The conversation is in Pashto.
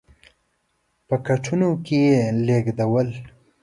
په کټونو کې یې لېږدول.